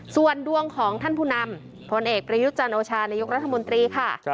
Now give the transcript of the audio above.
ส่วนดวงของท่านผู้นำผลเอกประยุทธ์จันโอชานายกรัฐมนตรีค่ะ